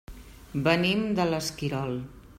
Venim de l'Esquirol.